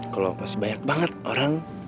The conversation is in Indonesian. kalau masih banyak banget orang